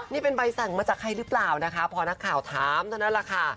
นี่เป็นใบสั่งมาจากใครหรือเปล่านะคะพอนักข่าวถามเท่านั้นแหละค่ะ